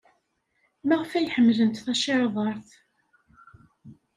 Maɣef ay ḥemmlent tacirḍart?